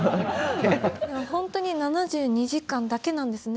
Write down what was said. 本当に７２時間だけなんですね。